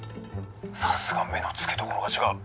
「さすが目の付けどころが違う！